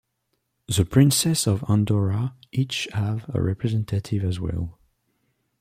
The princes of Andorra each have a representative as well.